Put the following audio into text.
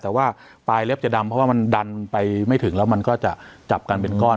แต่ว่าปลายเล็บจะดำเพราะว่ามันดันไปไม่ถึงแล้วมันก็จะจับกันเป็นก้อน